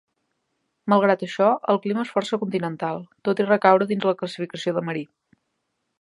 Malgrat això, el clima és força continental, tot i recaure dins de la classificació de marí.